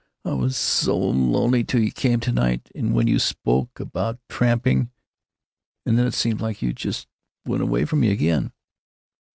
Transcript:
I was so lonely till you came to night, and when you spoke about tramping——And then it seemed like you just went away from me again."